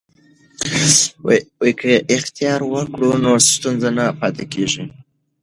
که اختراع وکړو نو ستونزه نه پاتې کیږي.